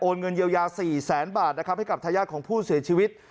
เงินเยียวยา๔แสนบาทนะครับให้กับทายาทของผู้เสียชีวิต